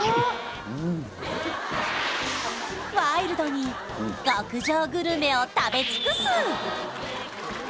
ワイルドに極上グルメを食べ尽くす！